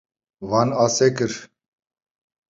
Wan asê kir.